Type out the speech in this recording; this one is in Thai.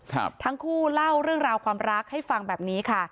ทั้งคู่เล่าเรื่องราวความรักให้ฟังแบบนี้ค่ะ